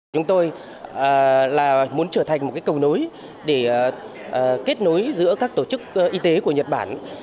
chúng tôi muốn trở thành một cầu nối để kết nối giữa các tổ chức y tế của nhật bản